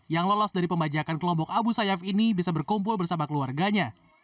yang lolos dari pembajakan kelompok abu sayyaf ini bisa berkumpul bersama keluarganya